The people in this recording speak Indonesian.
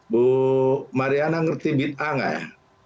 bu mariana ngerti bid'ah nggak ya